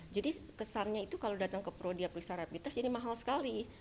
jadi kesannya itu kalau datang ke prodia perusahaan repites jadi mahal sekali